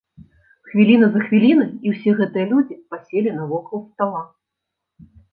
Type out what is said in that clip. Хвіліна за хвілінай, і ўсе гэтыя людзі паселі навокал стала.